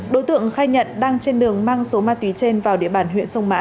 đối tượng khai nhận đang trên đường mang số ma túy trên vào địa bàn huyện sông mã